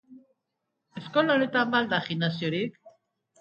Eskola honetan ba al da gimnasiorik?